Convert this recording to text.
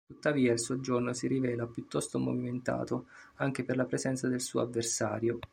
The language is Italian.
Tuttavia, il soggiorno si rivela piuttosto movimentato anche per la presenza del suo avversario.